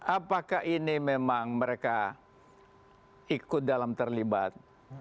apakah ini memang mereka ikut dalam terlibat